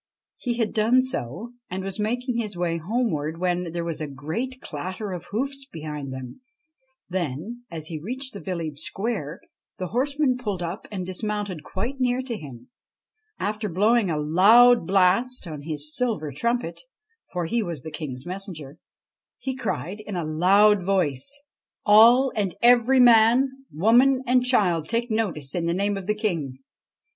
He had done so, and was making his way homeward, when there was a great clatter of hoofs behind him ; then, as he reached the village square, the horseman pulled up and dismounted quite near to him. 63 IVAN AND THE CHESTNUT HORSE After blowing a loud blast on his silver trumpet for he was the King's messenger he cried in a loud voice :' All and every man, woman and child, take notice, in the name of the King.